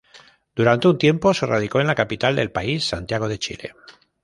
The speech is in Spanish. Durante un tiempo se radicó en la capital del país Santiago de Chile.